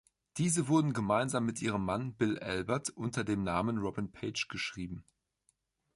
Diese wurden gemeinsam mit ihrem Mann, Bill Albert, unter dem Namen Robin Paige geschrieben.